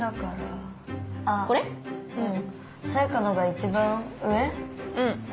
うん。